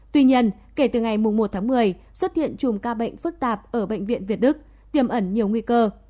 tuy nhiên kể từ ngày một tháng một mươi xuất hiện chùm ca bệnh phức tạp ở bệnh viện việt đức tiềm ẩn nhiều nguy cơ